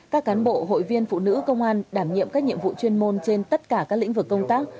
các cán bộ hội viên phụ nữ công an đảm nhiệm các nhiệm vụ chuyên môn trên tất cả các lĩnh vực công tác